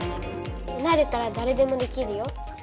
なれたらだれでもできるよ。